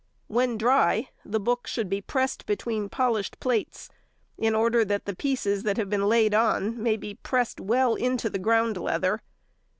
When dry, the book should be pressed between polished plates, in order that the pieces that have been laid on, may be pressed well into the ground leather.